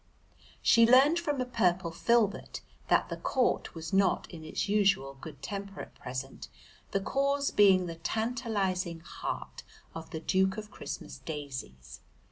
She learned from a purple filbert that the court was not in its usual good temper at present, the cause being the tantalising heart of the Duke of Christmas Daisies.